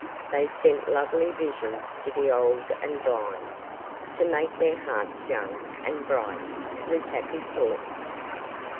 They sent lovely visions to the old and blind, to make their hearts young and bright with happy thoughts.